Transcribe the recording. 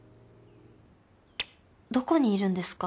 「どこにいるんですか？」。